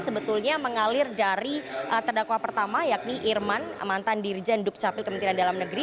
sebetulnya mengalir dari terdakwa pertama yakni irman mantan dirjen dukcapil kementerian dalam negeri